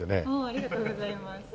ありがとうございます。